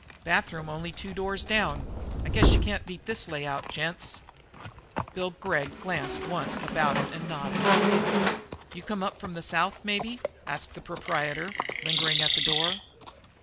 "Bathroom only two doors down. I guess you can't beat this layout, gents?" Bill Gregg glanced once about him and nodded. "You come up from the South, maybe?" asked the proprietor, lingering at the door.